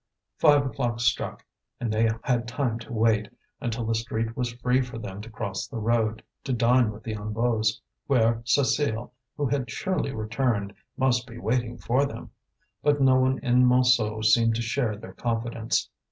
Five o'clock struck, and they had time to wait until the street was free for them to cross the road to dine with the Hennebeaus, where Cécile, who had surely returned, must be waiting for them. But no one in Montsou seemed to share their confidence.